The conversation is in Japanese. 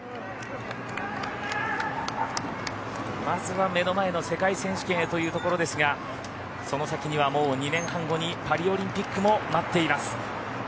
まずは目の前の世界選手権へというところですがその先にはもう２年半後にパリオリンピックも待っています。